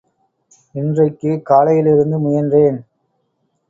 இன்றைக்குக் காலையிலிருந்து முயன்றேன்.